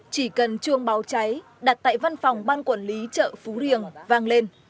chỉ cần chuông báo cháy đặt tại văn phòng ban quản lý chợ phú riêng vang lên